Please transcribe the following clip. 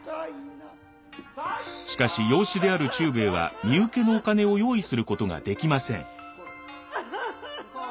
しかし養子である忠兵衛は身請けのお金を用意することができません。